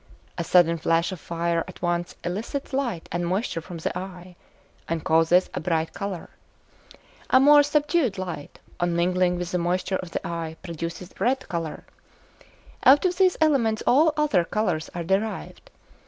A sudden flash of fire at once elicits light and moisture from the eye, and causes a bright colour. A more subdued light, on mingling with the moisture of the eye, produces a red colour. Out of these elements all other colours are derived.